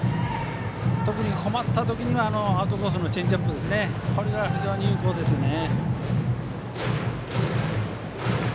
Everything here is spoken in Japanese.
特に困った時にはアウトコースのチェンジアップこれが非常に有効ですよね。